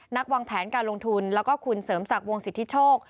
วางแผนการลงทุนแล้วก็คุณเสริมศักดิ์วงสิทธิโชค